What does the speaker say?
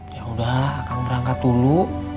yaudah akan berangkat dulu